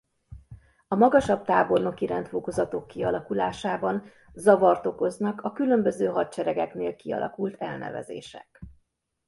A magasabb tábornoki rendfokozatok kialakulásában zavart okoznak a különböző hadseregeknél kialakult elnevezések.